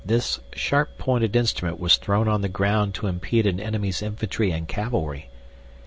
THIS SHARP POINTED INSTRUMENT WAS THROWN ON THE GROUND TO IMPEDE AN ENEMY'S INFANTRY AND CAVALRY.